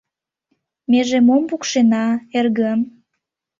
— Меже мом пукшена, эргым?